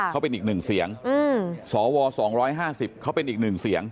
เขาเป็นอีกหนึ่งเสียงอืมสอวอสองร้อยห้าสิบเขาเป็นอีกหนึ่งเสียง